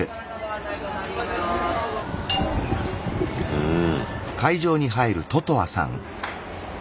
うん。